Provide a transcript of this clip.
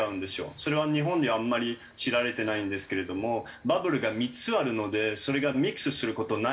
それは日本ではあんまり知られてないんですけれどもバブルが３つあるのでそれがミックスする事ない。